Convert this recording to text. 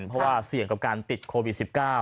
เพราะว่าเสี่ยงกับการติดโควิด๑๙